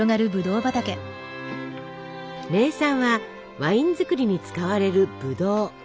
名産はワイン作りに使われるブドウ。